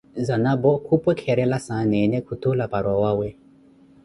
Zanapo khumpwekerela saneene, kunthuula para owawe.